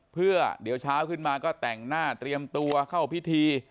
เพื่อเดี๋ยวเช้าขึ้นมาก็แต่งหน้าเตรียมตัวเข้าพิธี